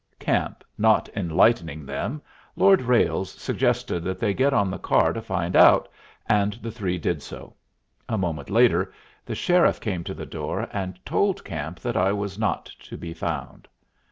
Camp not enlightening them, Lord Ralles suggested that they get on the car to find out, and the three did so. A moment later the sheriff came to the door and told Camp that I was not to be found.